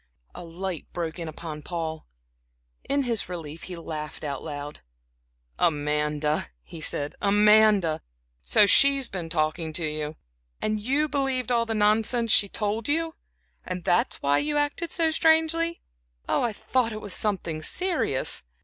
A light broke in upon Paul. In his relief he laughed out loud. "Amanda," he said. "Amanda! So she has been talking to you? And you believed all the nonsense she told you? And that is why you acted so strangely. I thought it was something serious!"